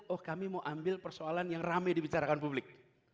oh kami mau ambil persoalan yang rame dibicarakan publik